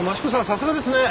さすがですね。